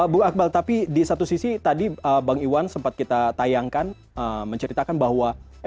bu akmal tapi di satu sisi tadi bang iwan sempat kita tayangkan menceritakan bahwa